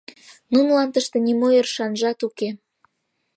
Нунылан тыште нимо ӧршанжат уке.